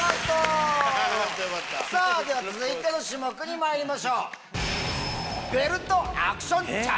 続いての種目にまいりましょう。